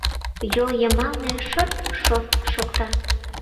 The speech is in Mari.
Йол йымалне шырт-шорт шокта.